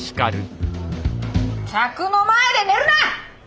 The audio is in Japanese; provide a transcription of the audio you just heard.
客の前で寝るな！